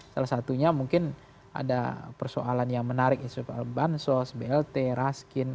salah satunya mungkin ada persoalan yang menarik isu soal bansos blt raskin